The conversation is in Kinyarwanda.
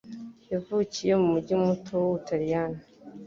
Yavukiye mu mujyi muto mu Butaliyani.